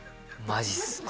マジっすね